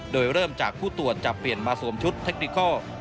โดยเริ่มจากผู้ตรวจจะเปลี่ยนมาสวมชุดเทคนิโก้